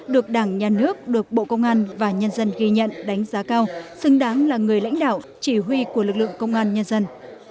được đảng nhà nước được bộ công an và nhân dân ghi nhận đánh giá cao xứng đáng là người lãnh đạo chỉ huy của lực lượng công an nhân dân